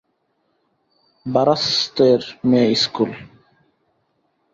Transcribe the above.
বারাসতের মেয়ে ইস্কুল?